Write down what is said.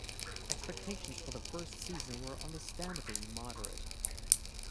Expectations for the first season were understandably moderate.